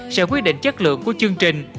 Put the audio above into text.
sẽ quyết định chất lượng của chương trình